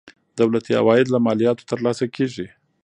دولتي عواید له مالیاتو ترلاسه کیږي.